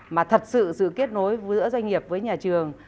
mà thật sự sự kết nối giữa doanh nghiệp với nhà trường